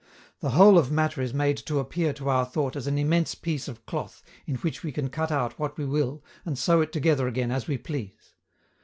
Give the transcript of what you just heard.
The whole of matter is made to appear to our thought as an immense piece of cloth in which we can cut out what we will and sew it together again as we please.